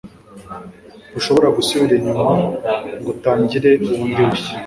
Ntushobora gusubira inyuma ngo utangire bundi bushya,